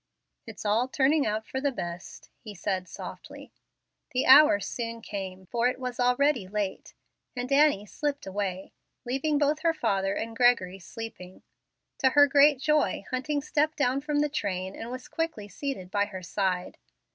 "It's all turning out for the best," he said, softly. The hour soon came, for it was already late, and Annie slipped away, leaving both her father and Gregory sleeping. To her great joy Hunting stepped down from the train and was quickly seated by her side.